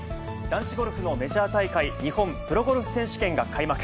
男子ゴルフのメジャー大会、日本プロゴルフ選手権が開幕。